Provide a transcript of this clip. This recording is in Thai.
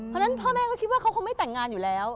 เพราะฉะนั้นพ่อแม่ก็คิดว่าเขาคงไม่แต่งงานอยู่แล้ว